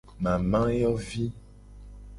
Mamayovi.